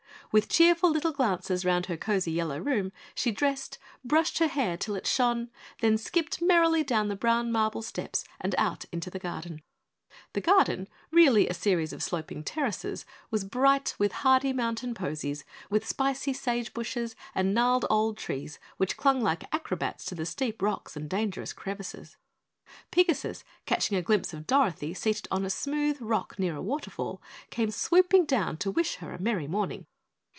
With cheerful little glances round her cozy yellow room, she dressed, brushed her hair till it shone, then skipped merrily down the brown marble steps and out into the garden. The garden, really a series of sloping terraces, was bright with hardy mountain posies, with spicy sage bushes and gnarled old trees which clung like acrobats to the steep rocks and dangerous crevices. Pigasus, catching a glimpse of Dorothy seated on a smooth rock near a little waterfall, came swooping down to wish her a merry morning.